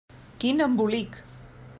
Quin embolic!